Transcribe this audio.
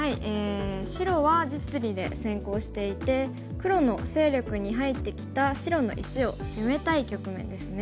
白は実利で先行していて黒の勢力に入ってきた白の石を攻めたい局面ですね。